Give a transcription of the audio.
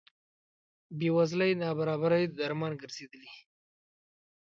بې وزلۍ نابرابرۍ درمان ګرځېدلي.